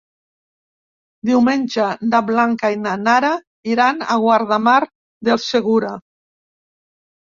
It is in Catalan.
Diumenge na Blanca i na Nara iran a Guardamar del Segura.